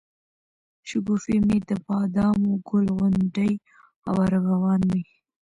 شګوفې مي دبادامو، ګل غونډۍ او ارغوان مي